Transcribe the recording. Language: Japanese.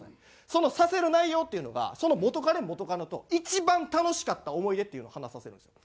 そのさせる内容っていうのがその元カレ元カノと一番楽しかった思い出っていうの話させるんですよ。